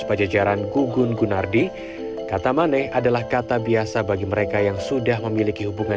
pajajaran gugun gunardi kata maneh adalah kata biasa bagi mereka yang sudah memiliki hubungan